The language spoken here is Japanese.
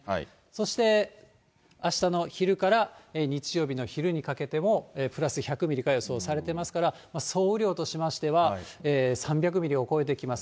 そしてあしたの昼から日曜日の昼にかけてもプラス１００ミリが予想されてますから、総雨量としましては３００ミリを超えてきます。